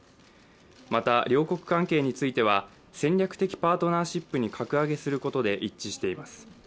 また、両国関係については戦略的パートナーシップに格上げすることで一致しています。